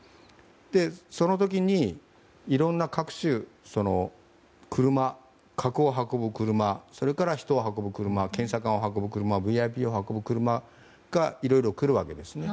その時に、いろんな各種核を運ぶ車や人を運ぶ車検査官を運ぶ車ＶＩＰを運ぶ車がいろいろ来るわけです。